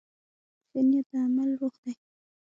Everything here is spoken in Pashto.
ښه نیت د عمل روح دی.